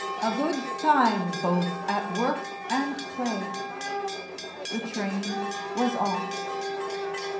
A good time, both at work and play" the train was off.